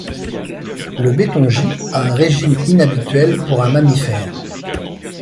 Le bettongie a un régime inhabituel pour un mammifère.